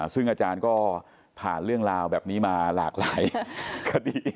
ซึ่งอาจารย์ก็ผ่านเรื่องราวแบบนี้มาหลากหลายคดี